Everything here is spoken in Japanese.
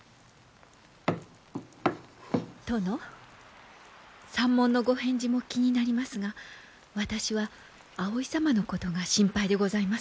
殿山門のご返事も気になりますが私は葵様のことが心配でございます。